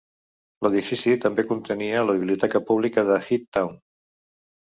L'edifici també contenia la biblioteca pública de Heath Town.